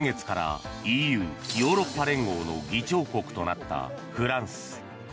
先月からＥＵ・ヨーロッパ連合の議長国となったフランス。